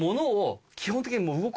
基本的に。